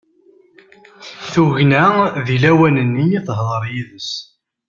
Tugna deg lawan-nni i tehder yid-s.